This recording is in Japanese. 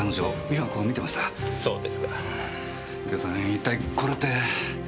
一体これって。